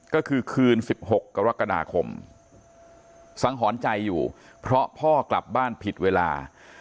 ก็คือคืน๑๖กรกฎาคมสังหรณ์ใจอยู่เพราะพ่อกลับบ้านผิดเวลา